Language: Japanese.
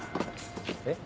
えっ？